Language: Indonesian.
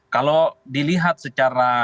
kalau dilihat secara